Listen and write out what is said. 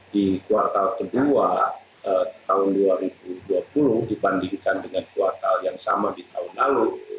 di kuartal kedua tahun dua ribu dua puluh dibandingkan dengan kuartal yang sama di tahun lalu